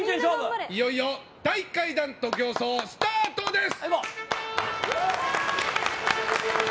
いよいよ大階段徒競走スタートです。